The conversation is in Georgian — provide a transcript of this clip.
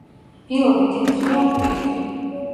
რბილობი თეთრია ან ყვითელი.